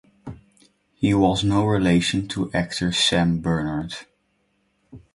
He was no relation to actor Sam Bernard.